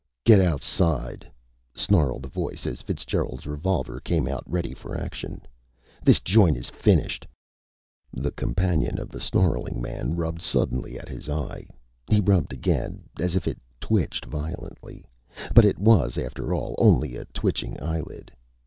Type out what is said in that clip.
"Get outside!" snarled a voice as Fitzgerald's revolver came out ready for action. "This joint is finished!" The companion of the snarling man rubbed suddenly at his eye. He rubbed again, as if it twitched violently. But it was, after all, only a twitching eyelid.